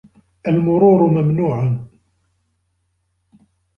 المرور ممنوع.